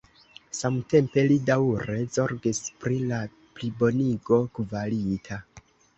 Samtempe li daŭre zorgis pri la plibonigo kvalita.